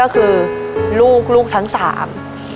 ก็คือลูกลูกทั้งสาม